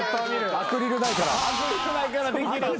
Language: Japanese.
アクリルないからできる。